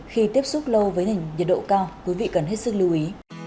khi tiếp xúc lâu với nền nhiệt độ cao quý vị cần hết sức lưu ý